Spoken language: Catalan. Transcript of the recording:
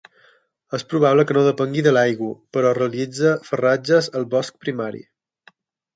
És probable que no depengui de l'aigua, però realitza farratges al bosc primari.